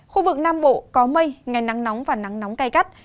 khu vực nam bộ có mây ngày nắng nóng và nắng nóng cay gắt